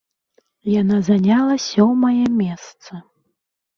Яна заняла сёмае месца.